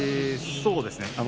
そうですね。